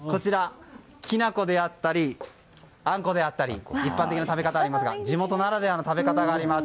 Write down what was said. きな粉であったりあんこであったり一般的な食べ方がありますが地元ならではの食べ方もあります。